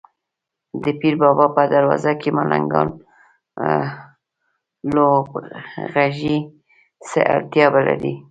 د پیر بابا په دروازه کې ملنګان لوغړېږي، څه اړتیا به لري.